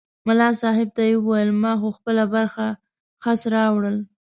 ملا صاحب ته یې وویل ما خو خپله برخه خس راوړل.